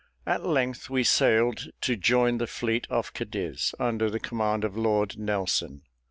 At length we sailed to join the fleet off Cadiz, under the command of Lord Nelson.